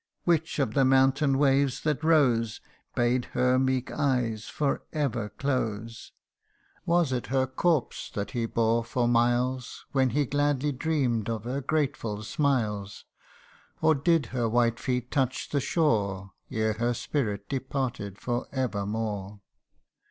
Which of the mountain waves that rose, Bade her meek eyes for ever close ? Was it her corpse that he bore for miles, When he gladly dreamt of her grateful smiles ? Or did her white feet touch the shore, Ere her spirit departed for evermore